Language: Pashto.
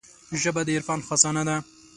ژبه د عرفان خزانه ده